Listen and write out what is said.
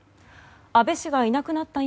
安倍氏がいなくなった